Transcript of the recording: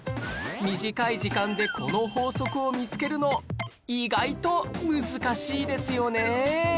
短い時間でこの法則を見つけるの意外と難しいですよねえ